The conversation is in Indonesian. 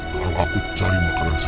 kalau aku cari makanan